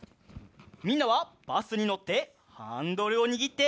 みんなはバスにのってハンドルをにぎって。